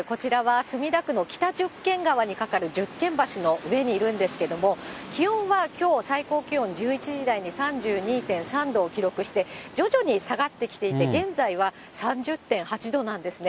こちらは墨田区のきたじゅっけん川にかかるじゅっけん橋の上にいるんですけど、気温はきょう最高気温１１時台に３２．３度を記録して、徐々に下がってきていて、現在は３０．８度なんですね。